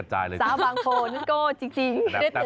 สาวบางโคนันโก้จริง